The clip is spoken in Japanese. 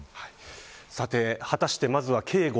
さて、果たしてまずは警護。